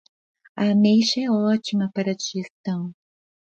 A ameixa é ótima para a digestão.